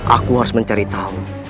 aku harus mencari tahu